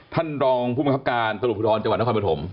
ท่านรองผู้บังคับการตำรวจภูทรจังหวัดนครปฐม